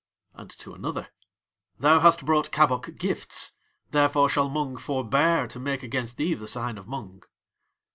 And to another: "Thou has brought Kabok gifts, therefore shall Mung forbear to make against thee the sign of Mung."